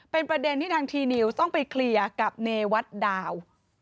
เป็นประเด็นที่ทางทีนิวส์ต้องไปเคลียร์กับเนวัดดาว